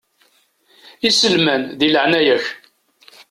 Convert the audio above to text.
Iselman, di leɛnaya-k.